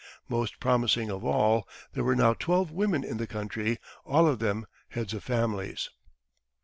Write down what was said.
Most promising of all, there were now twelve women in the country, all of them heads of families.